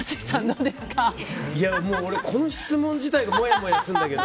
俺、この質問自体がもやもやするんだけど。